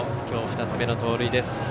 きょう２つ目の盗塁です。